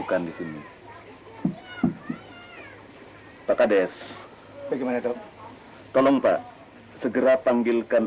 jangan lupa pak